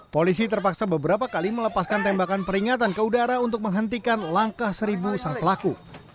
polisi terpaksa beberapa kali melepaskan tembakan peringatan ke udara untuk menghentikan langkah seribu sang pelaku